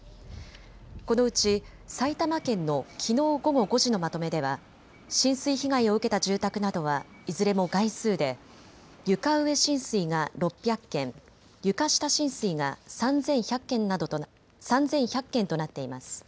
このうち埼玉県のきのう午後５時のまとめでは浸水被害を受けた住宅などはいずれも概数で床上浸水が６００件、床下浸水が３１００件となっています。